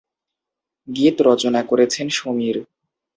গীত রচনা করেছেন সমীর।